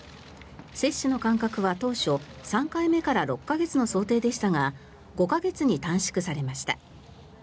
接種の間隔は当初３回目から６か月の想定でしたが５か月に短縮されました。